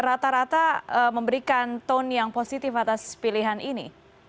rata rata memberikan tone yang positif atas pilihan ini